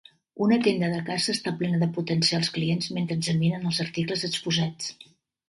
Una tenda de caça està plena de potencials clients mentre examinen els articles exposats.